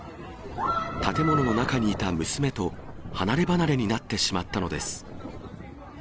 建物の中にいた娘と離れ離れになってしまったのです。